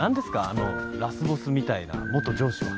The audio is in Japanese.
あのラスボスみたいな元上司は。